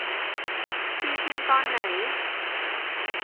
ตีพิมพ์ตอนไหน